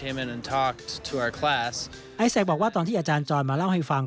เซคบอกว่าตอนที่อาจารย์จอยมาเล่าให้ฟัง